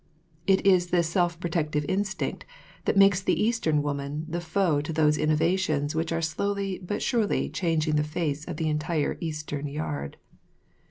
It is this self protective instinct that makes the Eastern woman the foe to those innovations which are slowly but surely changing the face of the entire Eastern, yard.